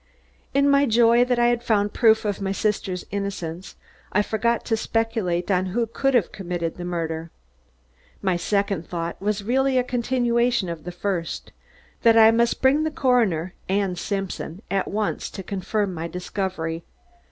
In my joy that I had found proof of my sister's innocence, I forgot to speculate on who could have committed the murder. My second thought was really a continuation of the first, that I must bring the coroner and Simpson at once to confirm my discovery.